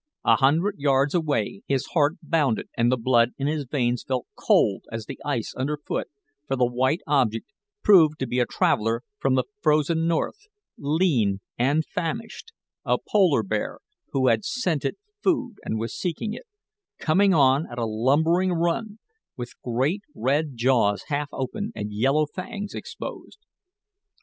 A hundred yards away, his heart bounded and the blood in his veins felt cold as the ice under foot, for the white object proved to be a traveler from the frozen North, lean and famished a polar bear, who had scented food and was seeking it coming on at a lumbering run, with great red jaws half open and yellow fangs exposed.